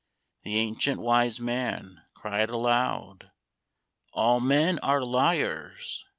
The ancient wise man cried aloud, "All men are liars!"